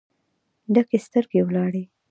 ډکې سترګې ولاړې